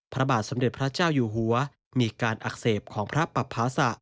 พระบาทสมเด็จพระเจ้าอยู่หัวมีการอักเสบของพระปภาษะ